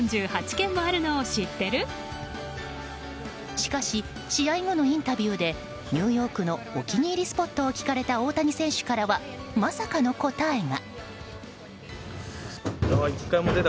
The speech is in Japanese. しかし試合後のインタビューでニューヨークのお気に入りスポットを聞かれた大谷選手からはまさかの答えが。